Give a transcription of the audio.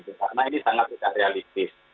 karena ini sangat tidak realistis